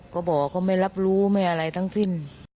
ก็บอกเขาไม่รับรู้ไม่อะไรทั้งสิ้น